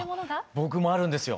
僕もあるんですよ。